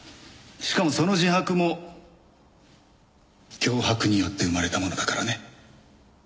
しかもその自白も脅迫によって生まれたものだからね。